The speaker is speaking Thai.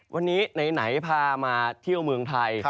วันนี้ไหนพามาเที่ยวเมืองไทย